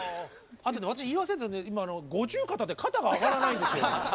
あとね私言い忘れたんだけど今五十肩で肩が上がらないんですよ。